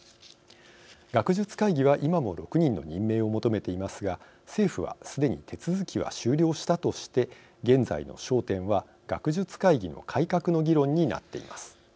学術会議は、今も６人の任命を求めていますが政府はすでに手続きは終了したとして現在の焦点は学術会議の改革の議論になっています。